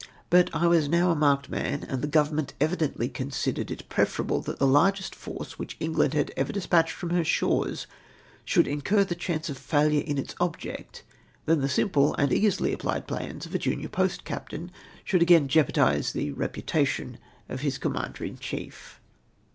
But I was now a marked man, and the Government evidently considered it preferable that the largest force which England liad ever despatched from her shores should incur the chance of failure in its object, than that the simple and easily applied plans of a junior post captain should again jeo pardise the reputation of his Commander in chief.